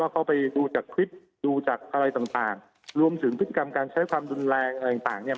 เขาไปดูจากคลิปดูจากอะไรต่างรวมถึงพฤติกรรมการใช้ความรุนแรงอะไรต่างเนี่ย